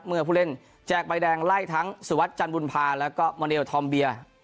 ผู้เล่นแจกใบแดงไล่ทั้งสุวัสดิจันบุญภาแล้วก็มอเนลทอมเบีย